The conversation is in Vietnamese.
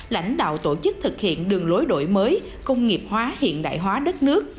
lãnh đạo tổ chức thực hiện đường lối đổi mới công nghiệp hóa hiện đại hóa đất nước